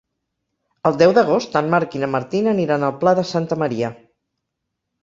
El deu d'agost en Marc i na Martina aniran al Pla de Santa Maria.